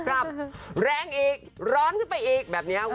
แรงอีกร้อนขึ้นไปอีกแบบนี้